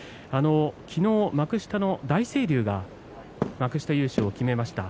昨日、幕下の大成龍が幕下優勝を決めました。